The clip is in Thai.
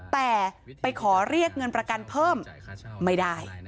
แต่ไปขอเรียกเงินประกันเพิ่มไม่ได้